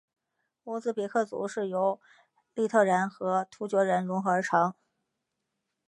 乌兹别克族是由粟特人和突厥人溶合而成。